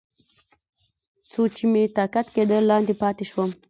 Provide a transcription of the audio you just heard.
څو چې مې طاقت کېده، لاندې پاتې شوم.